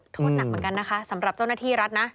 โทษหนักเหมือนกันนะคะสำหรับเจ้าหน้าที่รัฐนะ